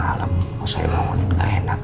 dalam malam saya bangun gak enak